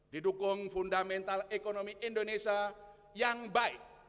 didukung fundamental ekonomi indonesia yang baik